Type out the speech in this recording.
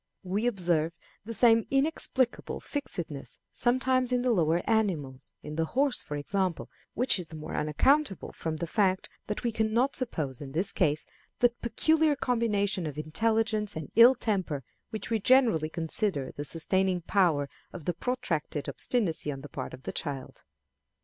We observe the same inexplicable fixedness sometimes in the lower animals in the horse, for example; which is the more unaccountable from the fact that we can not suppose, in his case, that peculiar combination of intelligence and ill temper which we generally consider the sustaining power of the protracted obstinacy on the part of the child.